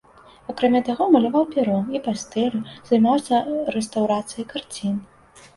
Акрамя таго, маляваў пяром і пастэллю, займаўся рэстаўрацыяй карцін.